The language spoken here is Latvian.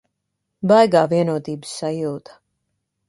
Baigā vienotības sajūta.